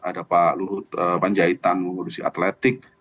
ada pak luhut panjaitan mengurusi atletik